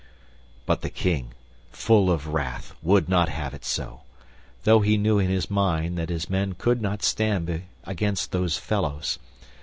But the King, full of wrath, would not have it so, though he knew in his mind that his men could not stand against those fellows.